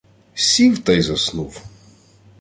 Сів та й заснув.